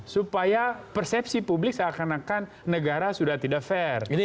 supaya persepsi publik seakan akan negara sudah tidak fair